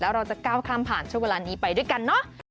แล้วเราจะก้าวข้ามผ่านช่วงเวลานี้ไปด้วยกันเนาะ